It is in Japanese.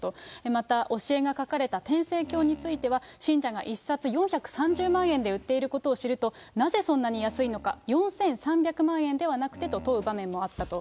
また、教えが書かれた天聖経については、信者が１冊４３０万円で売っていることを知ると、なぜそんなに安いのか、４３００万円ではなくて？と問う場面もあったと。